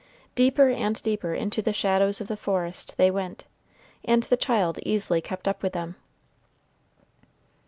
Deeper and deeper into the shadows of the forest they went, and the child easily kept up with them.